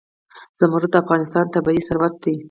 زمرد د افغانستان طبعي ثروت دی.